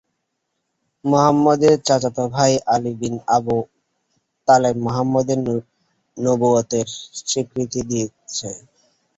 মুহাম্মাদের চাচাত ভাই আলী বিন আবু তালেব মুহাম্মাদের নবুওয়াতের স্বীকৃতি দিয়েছে।